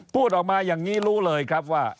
พูดออกมาอย่างนี้รู้เลยครับว่า